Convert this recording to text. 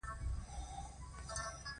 ته چوکاټ کي د خپل عکس راته مسکی وي